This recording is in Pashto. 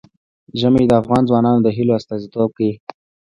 ژمی د افغان ځوانانو د هیلو استازیتوب کوي.